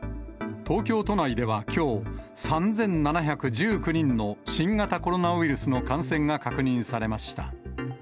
東京都内ではきょう、３７１９人の新型コロナウイルスの感染が確認されました。